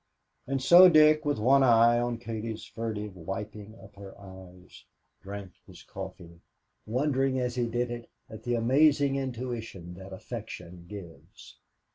And so Dick, with one eye on Katie's furtive wiping of her eyes, drank his coffee, wondering as he did it at the amazing intuition that affection gives.